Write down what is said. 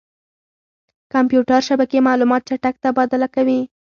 کمپیوټر شبکې معلومات چټک تبادله کوي.